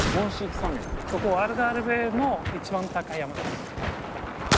ここアルガルヴェの一番高い山です。